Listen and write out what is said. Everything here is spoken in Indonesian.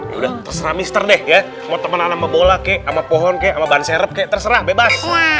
ya udah terserah mister deh ya mau temenan sama bola kek sama pohon kek sama ban serep kayak terserah bebas